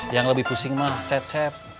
yang lebih pusing mah cecep